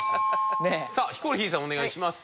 さあヒコロヒーさんお願いします。